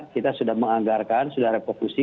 kita sudah menganggarkan sudah refokusi